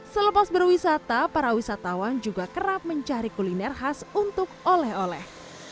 selepas berwisata para wisatawan juga kerap mencari kuliner khas untuk oleh oleh